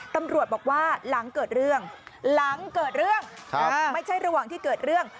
ตำรวจบอกว่าหลังเกิดเรื่อง